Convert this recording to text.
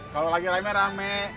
kalo lagi ramai ramai